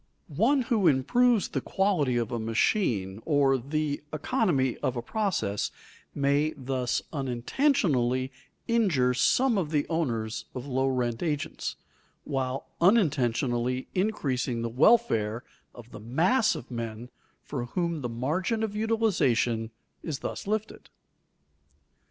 One who improves the quality of a machine or the economy of a process may thus unintentionally injure some of the owners of low rent agents, while unintentionally increasing the welfare of the mass of men for whom the margin of utilization is thus lifted.